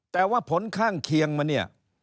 แต่ว่าผลข้างเคียงมันเนี่ย